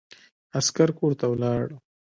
عسکر کورته ولاړ.